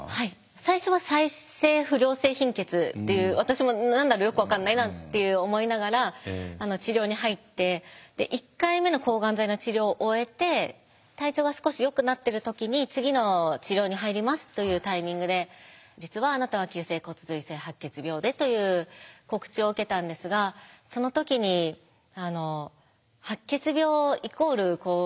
最初は再生不良性貧血っていう私も何だかよく分かんないなって思いながら治療に入って１回目の抗がん剤の治療を終えて体調が少しよくなってる時に次の治療に入りますというタイミングで「実はあなたは急性骨髄性白血病で」という告知を受けたんですがその時に白血病イコール治らない病気といいますか。